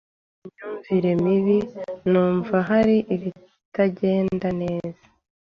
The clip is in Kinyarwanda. Mfite imyumvire mibi numva hari ibitagenda neza.